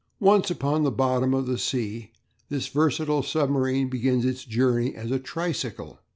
Once upon the bottom of the sea this versatile submarine begins its journey as a tricycle.